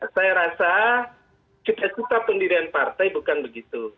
saya rasa kita suka pendirian partai bukan begitu